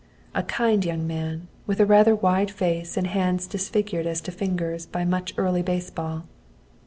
A kindly young man, with a rather wide face and hands disfigured as to fingers by much early baseball.